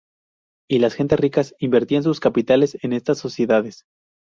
Y las gentes ricas invertían sus capitales en estas sociedades.